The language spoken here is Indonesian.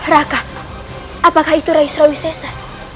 raka apakah itu reis rauhisesa